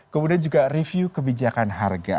kemudian juga review kebijakan harga